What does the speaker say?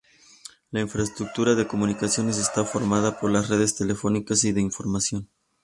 La infraestructura de comunicaciones está formada por las redes telefónicas y de información.